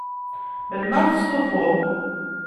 Melmi ara testufuḍ?